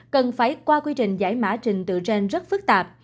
cần phải qua quy trình giải mã trình tự trên rất phức tạp